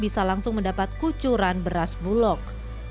bisa langsung mendapat kucuran beras bulog